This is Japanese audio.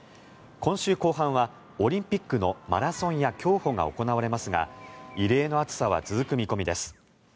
今週後半はオリンピックのマラソンや競歩が行われますが異例の暑さは続く見込みです。